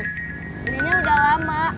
belinya udah lama